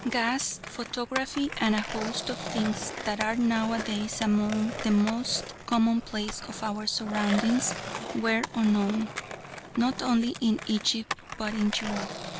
Gas, photography, and a host of things that are now a days among the most commonplace of our surroundings were unknown, not only in Egypt but in Europe.